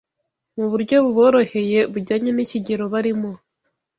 mu buryo buboroheye bujyanye n’ikigero barimo